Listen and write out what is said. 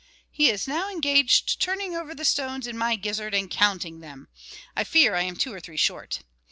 He is now engaged turning over the stones in my gizzard and counting them; I fear I am two or three short.